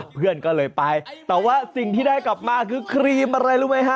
เพื่อนก็เลยไปแต่ว่าสิ่งที่ได้กลับมาคือครีมอะไรรู้ไหมฮะ